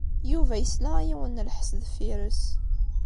Yuba yesla i yiwen n lḥess deffir-s.